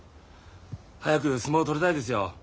早く相撲取りたいですよ。